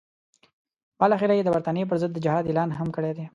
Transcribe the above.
بالاخره یې د برټانیې پر ضد د جهاد اعلان هم کړی دی.